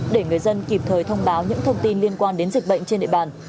để người dân kịp thời thông báo những thông tin liên quan đến dịch bệnh trên địa bàn